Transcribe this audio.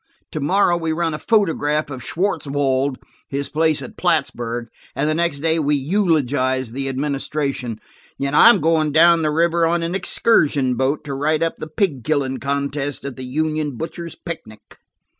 To morrow we run a photograph of Schwartzwold, his place at Plattsburg, and the next day we eulogize the administration. I'm going down the river on an excursion boat, and write up the pig killing contest at the union butchers' picnic."